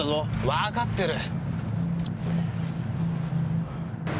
わかってる。